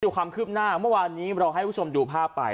ความคืบหน้าเมื่อวานนี้เราให้คุณผู้ชมดูภาพไป